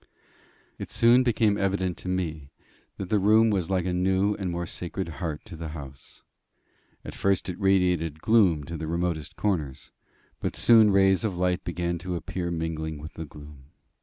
It soon became evident to me that that room was like a new and more sacred heart to the house. At first it radiated gloom to the remotest corners; but soon rays of light began to appear mingling with the gloom.